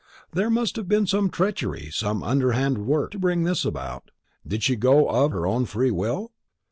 "There must have been some treachery, some underhand work, to bring this about. Did she go of her own free will?"